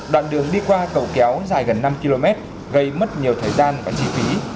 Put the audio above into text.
đoạn đường đi qua cầu kéo dài gần năm km gây mất nhiều thời gian và chi phí